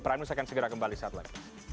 pernah atau tidak saya akan segera kembali saat lain